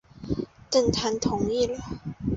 郑覃同意了。